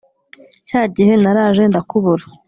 Cyagihe naraje ndakubura